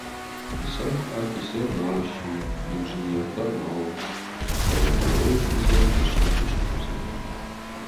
Ӕцӕг, афицер нал сси, инженер дӕр нал, фӕлӕ пъеройы фындзӕй дӕсны кусӕг уыдзӕн.